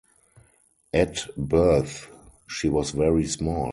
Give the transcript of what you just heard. At birth she was very small.